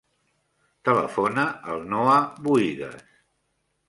Telefona al Noah Buigues.